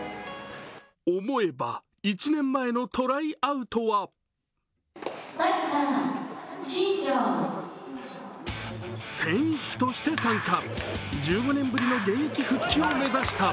思えば１年前のトライアウトは選手として参加、１５年ぶりの現役復帰を目指した。